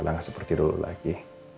nggak seperti dulu lagi